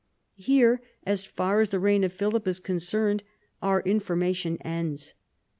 Here, as far as the reign of Philip is concerned, our information ends.